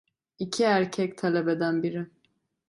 İki erkek talebeden biri: